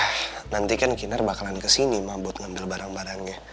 ya nantikan kinar bakalan kesini ma buat ngambil barang barangnya